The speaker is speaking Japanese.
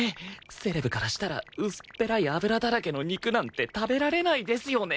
セレブからしたら薄っぺらい脂だらけの肉なんて食べられないですよね！